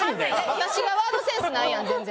私がワードセンスないやん全然。